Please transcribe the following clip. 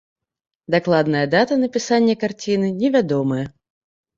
Дакладная дата напісання карціны невядомая.